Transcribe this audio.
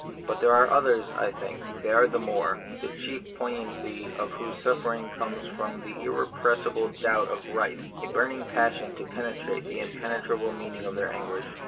But there are others — I think they are the more — the chief poignancy of whose suffer ings comes from an irrepressible doubt of right, a burning passion to penetrate the im penetrable meaning of their anguish.